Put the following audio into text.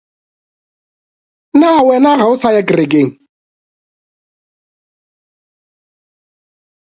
Na wena ga o sa ya kerekeng?